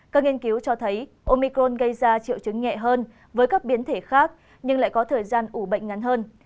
các nghiên cứu cho thấy omicron gây ra triệu chứng nhẹ hơn với các biến thể khác nhưng lại có thời gian ủ bệnh ngắn hơn